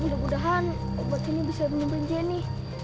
mudah mudahan obat ini bisa minum jenny